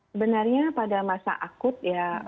sebenarnya pada masa akut ya